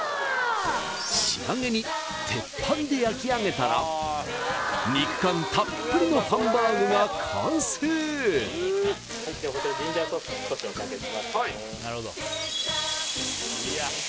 仕上げに鉄板で焼き上げたら肉感たっぷりのハンバーグが完成はいじゃあこちらはいくっ！